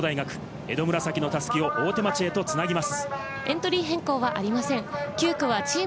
江戸紫の襷を大手町へとつなぎます。